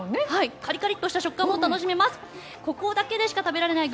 カリカリッとした食感も楽しめます。